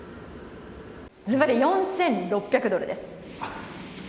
ずばり４６００ドルです。